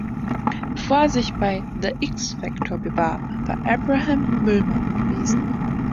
Bevor er sich bei „The X Factor“ bewarb, war Abraham Müllmann gewesen.